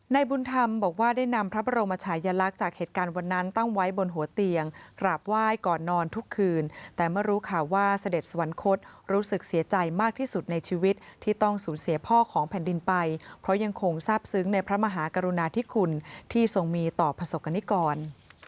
บุญธรรมบอกว่าได้นำพระบรมชายลักษณ์จากเหตุการณ์วันนั้นตั้งไว้บนหัวเตียงกราบไหว้ก่อนนอนทุกคืนแต่เมื่อรู้ข่าวว่าเสด็จสวรรคตรู้สึกเสียใจมากที่สุดในชีวิตที่ต้องสูญเสียพ่อของแผ่นดินไปเพราะยังคงทราบซึ้งในพระมหากรุณาธิคุณที่ทรงมีต่อประสบกรณิกร